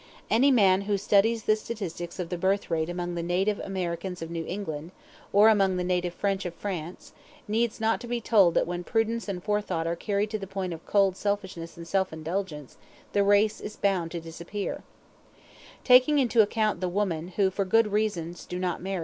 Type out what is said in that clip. Any man who studies the statistics of the birth rate among the native Americans of New England, or among the native French of France, needs not to be told that when prudence and forethought are carried to the point of cold selfishness and self indulgence, the race is bound to disappear.